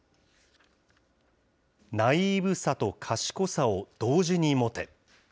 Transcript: ナイーブさと賢さを同時に持て。